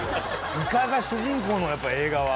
イカが主人公の映画は。